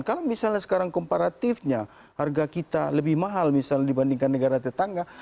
kalau misalnya sekarang komparatifnya harga kita lebih mahal misalnya dibandingkan negara tetangga